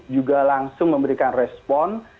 juga langsung memberikan respon